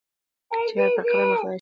چي پر هرقدم د خدای شکر کومه